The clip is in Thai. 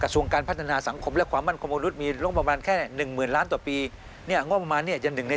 ส่วนการพัฒนาสังคมและความมั่นของมนุษย์มีลงประมาณแค่